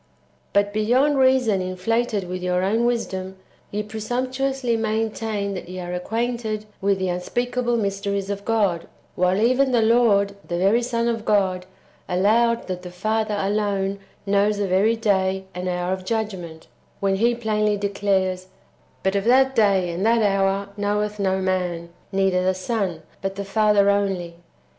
6. But, beyond reason inflated [with your own wisdom], ye presumptuously maintain that ye are acquainted with the unspeakable mysteries of God; while even the Lord, the very Son of God, allowed that the Father alone knows the very day and hour of judgment, when He plainly declares, " But of that day and that hour knoweth no man, neither the Son, but the Father only."'